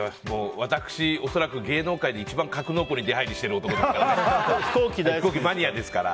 私、恐らく芸能界で一番格納庫に出入りしている男ですから。